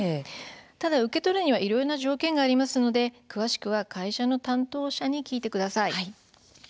ただ、受け取るにはいろいろな条件がありますので詳しくは会社の担当者に聞いてください。